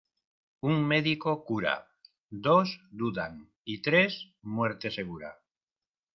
Un médico cura, dos dudan y tres muerte segura.